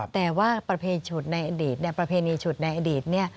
แต่ว่าประเพณีฉุดในอดีต